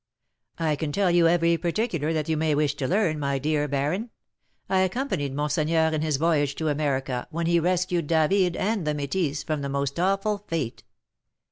"I can tell you every particular that you may wish to learn, my dear baron; I accompanied monseigneur in his voyage to America, when he rescued David and the métisse from the most awful fate."